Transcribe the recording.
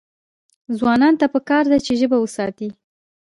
ځوانانو ته پکار ده چې، ژبه وساتي.